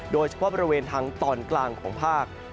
โดยเฉพาะบริเวณทางตอนกลางของภาค